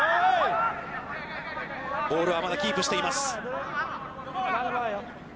ボールはまだキープしています。